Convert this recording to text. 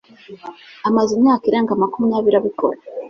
Amaze imyaka irenga makumyabiri abikora.